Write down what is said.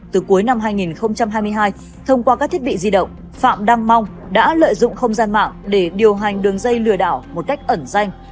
từ cuối năm hai nghìn hai mươi hai thông qua các thiết bị di động phạm đăng mong đã lợi dụng không gian mạng để điều hành đường dây lừa đảo một cách ẩn danh